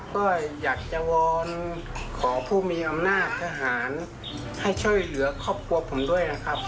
ก็อยากจะวอนขอผู้มีอำนาจทหารให้ช่วยเหลือครอบครัวผมด้วยนะครับ